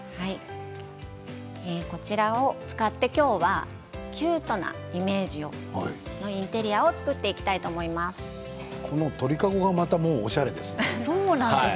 こちらを使ってきょうはキュートなイメージのインテリアをこの鳥籠がまたおしゃれですね。